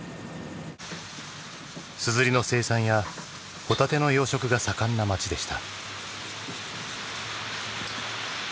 硯の生産やホタテの養殖が盛んな町でした。